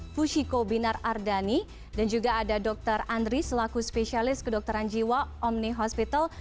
fushiko binar ardhani dan juga ada dr andri selaku spesialis kedokteran jiwa omni hospital